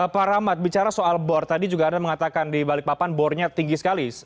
pak ramad bicara soal bor tadi juga ada mengatakan di balikpapan bor nya tinggi sekali